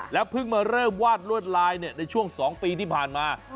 เพิ่งมาเริ่มวาดลวดลายในช่วง๒ปีที่ผ่านมา